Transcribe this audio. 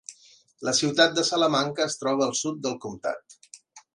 La ciutat de Salamanca es troba al sud del comtat.